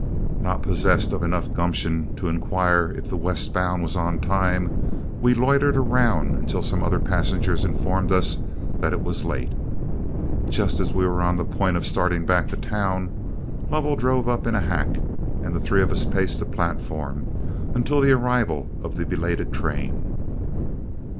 Not possessed of enough gumption to inquire if the westbound was on time, we loitered around until some other passengers informed us that it was late. Just as we were on the point of starting back to town, Lovell drove up in a hack, and the three of us paced the platform until the arrival of the belated train.